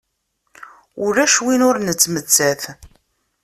Ulac win ur nettmettat.